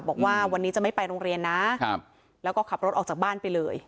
บอกว่าวันนี้จะไม่ไปโรงเรียนนะแล้วก็ขับรถออกจากบ้านไปเลย